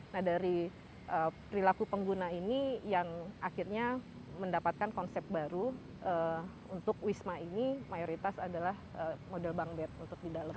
nah dari perilaku pengguna ini yang akhirnya mendapatkan konsep baru untuk wisma ini mayoritas adalah model bank bed untuk di dalam